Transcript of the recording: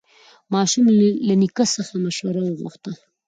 ماشوم له نیکه څخه مشوره وغوښته